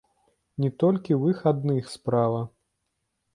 Не толькі ў іх адных справа.